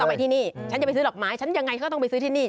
ไปที่นี่ฉันจะไปซื้อดอกไม้ฉันยังไงก็ต้องไปซื้อที่นี่